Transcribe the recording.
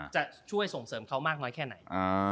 จะช่วยส่งเสริมเขามากน้อยแค่ไหน